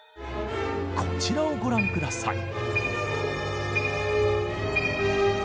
こちらをご覧ください。